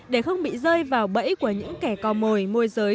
để không bị rơi vào bẫy của những kẻ cò mồi môi giới